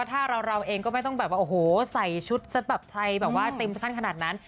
ถ้าเราเองก็ไม่ต้องใส่ชุดแบบไทยแบบว่าติมขั้นขนาดนั้น